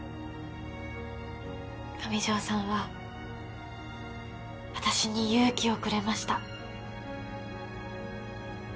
上条さんは私に勇気をくれました